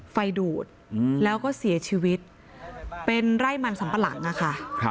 ไฟดูดแล้วก็เสียชีวิตเป็นไร่มันสัมปะหลังอะค่ะ